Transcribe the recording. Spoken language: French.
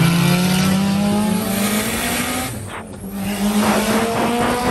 Cette espèce se rencontre en Libye et en Égypte.